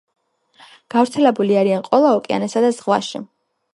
გავრცელებული არიან ყველა ოკეანესა და ზღვაში.